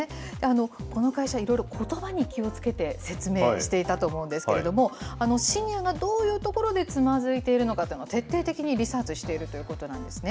この会社、いろいろことばに気をつけて説明していたと思うんですけれども、シニアがどういうところでつまずいているのかというのを徹底的にリサーチをしているということなんですね。